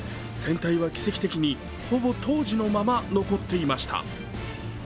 船体は奇跡的に、ほぼ当時のまま残っていました。